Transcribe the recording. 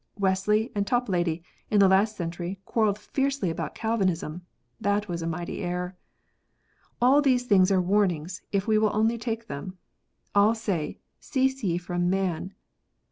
Wesley and Toplady in the last century quarrelled fiercely about Calvinism ; that was a mighty error. All these things are warnings, if we will only take them. All say, "Cease ye from man."